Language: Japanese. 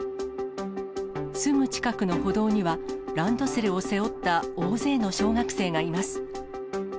すぐ近くの歩道にはランドセルを背負った大勢の小学生がいます。